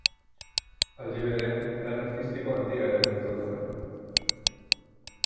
Aldi berean lan artistiko handia eraman zuen aurrera.